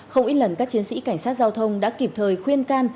không ít lần các chiến sĩ cảnh sát giao thông đã kịp thời khuyên can